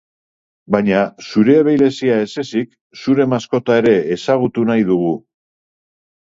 Baina, zure abileziak ez ezezik, zure maskota ere ezagutu nahi dugu.